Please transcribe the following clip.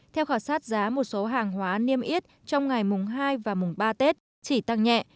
theo khảo sát giá một số hàng hóa niêm yết trong ngày mùng hai và mùng ba tết chỉ tăng nhẹ